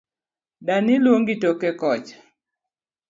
Dani luongi toke kocha